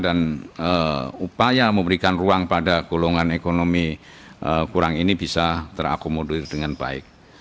dan upaya memberikan ruang pada golongan ekonomi kurang ini bisa terakomodir dengan baik